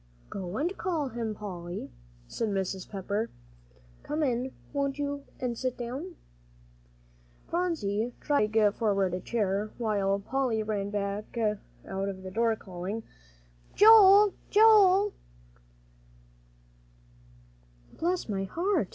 "Go and call him, Polly," said Mrs. Pepper, "Come in, won't you, and sit down?" Phronsie tried to drag forward a chair, while Polly ran out the back door, calling, "Joel Joel!" "Bless her heart!"